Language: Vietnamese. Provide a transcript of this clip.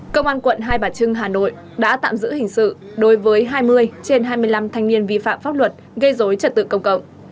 công an quận hai bà trưng hà nội đã tạm giữ hình sự đối với hai mươi trên hai mươi năm thanh niên vi phạm pháp luật gây dối trật tự công cộng